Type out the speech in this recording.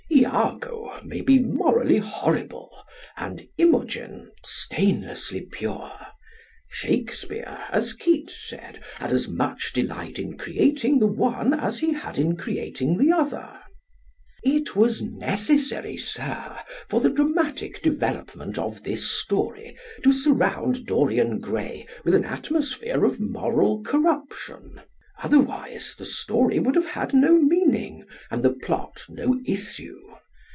Iago may be morally horrible and Imogen stainlessly pure. Shakespeare, as Keats said, had as much delight in creating the one as he had in creating the other. It was necessary, Sir, for the dramatic development of this story, to surround Dorian Gray with an atmosphere of moral corruption. Otherwise the story would have had no meaning and the plot no issue.